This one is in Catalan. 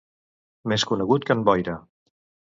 Més conegut que en Boira.